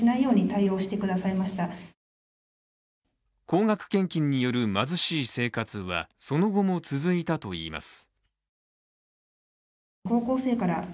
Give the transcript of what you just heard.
高額献金による貧しい生活はその後も続いたといいます。